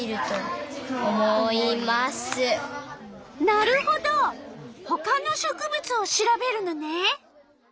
なるほどほかの植物を調べるのね。